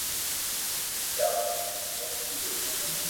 ھون جاوُ رھيو ھون ڪراچو گومياني